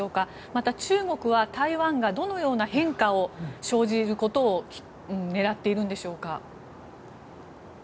また、中国は台湾がどのような変化を生じることを狙っているのでしょうか。